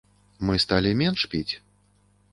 Мы сталі менш піць?